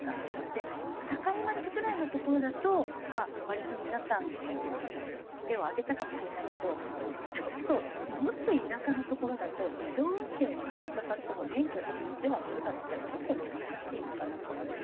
で境町ぐらいの所だと割と皆さん返納に手を挙げたかもしれないけどちょっともっと田舎の所だと自動運転を加速させても免許返納に手を挙げるかっていったら結構難しいのかなと思って。